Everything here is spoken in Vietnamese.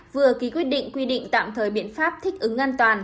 vừa ký quyết định quy định tạm thời biện pháp thích ứng an toàn